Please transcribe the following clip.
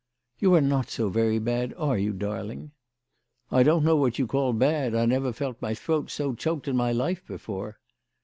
" You are not so very bad, are you, darling ?"" I don't know what you call bad. I never felt my throat so choked in my life before